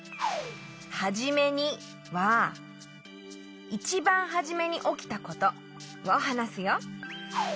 「はじめに」はいちばんはじめにおきたことをはなすよ。